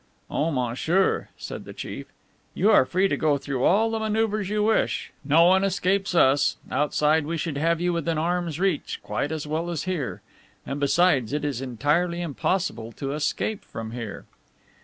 "Oh, monsieur," said the chief, "you are free to go through all the maneuvers you wish. No one escapes us. Outside we should have you within arm's reach quite as well as here. And, besides, it is entirely impossible to escape from here."